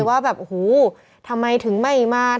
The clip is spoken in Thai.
ว่าแบบโอ้โหทำไมถึงไม่มา